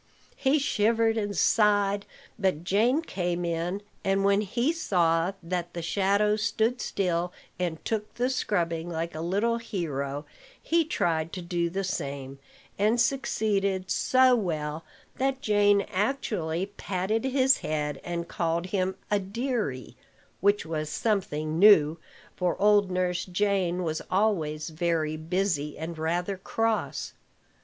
He shivered and sighed: but Jane came in; and, when he saw that the shadow stood still and took the scrubbing like a little hero, he tried to do the same, and succeeded so well that Jane actually patted his head and called him "a deary;" which was something new, for old Nurse Jane was always very busy and rather cross.